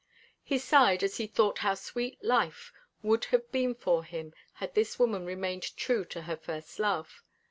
He sighed as he thought how sweet life would have been for him had this woman remained true to her first love.